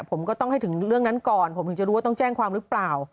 ผมก็ต้องให้ถึงเรื่องนั้นก่อนผมถึงจะรู้ว่าต้องแจ้งความหรือเปล่า